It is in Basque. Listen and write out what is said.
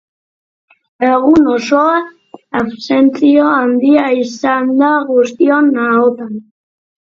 Egun osoan, abstentzio handia izan da guztion ahotan.